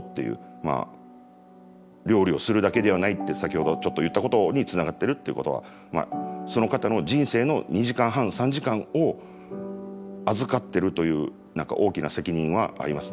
まあ料理をするだけではないって先ほどちょっと言ったことにつながってるっていうことはその方の人生の２時間半３時間を預かってるという何か大きな責任はありますね。